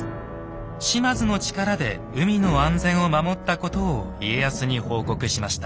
島津の力で海の安全を守ったことを家康に報告しました。